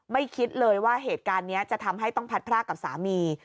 คิดเลยว่าเหตุการณ์นี้จะทำให้ต้องพัดพรากกับสามี